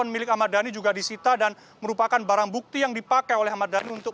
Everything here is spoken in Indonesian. milik ahmad dhani juga disita dan merupakan barang bukti yang dipakai oleh ahmad dhani untuk